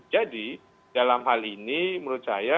jadi dalam hal ini menurut saya